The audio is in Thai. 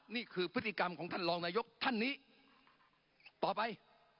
นี่คือพฤติกรรมของท่านรองนายกท่านนี้ต่อไป